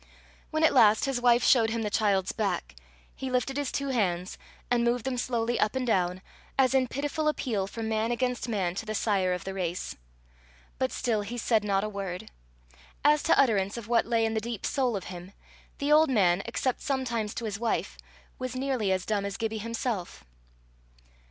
When at last his wife showed him the child's back, he lifted his two hands, and moved them slowly up and down, as in pitiful appeal for man against man to the sire of the race. But still he said not a word. As to utterance of what lay in the deep soul of him, the old man, except sometimes to his wife, was nearly as dumb as Gibbie himself.